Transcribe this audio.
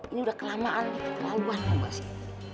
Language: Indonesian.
ini udah kelamaan kita ke laluan ya mba bebik